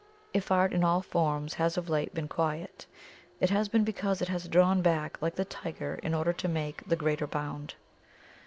If Art in all forms has of late been quiet, it has been because it has drawn back like the tiger in order to make the greater bound.